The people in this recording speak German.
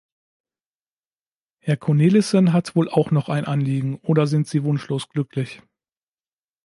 Herr Cornelissen hat wohl auch noch ein Anliegen, oder sind Sie wunschlos glücklich?